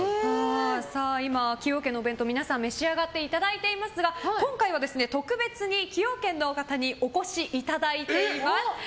今、崎陽軒のお弁当、皆さんに召し上がっていただいていますが今回は特別に崎陽軒のお方にお越しいただいています。